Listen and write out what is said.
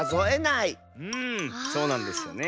うんそうなんですよね。